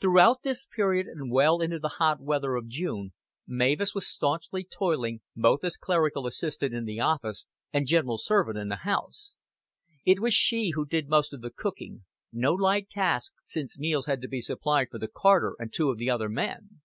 Throughout this period and well into the hot weather of June Mavis was stanchly toiling, both as clerical assistant in the office and general servant in the house. It was she who did most of the cooking, no light task since meals had to be supplied for the carter and two of the other men.